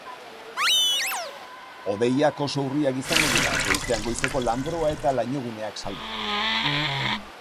Hodeiak oso urriak izango dira, goizean goizeko lanbroa eta lainoguneak salbu.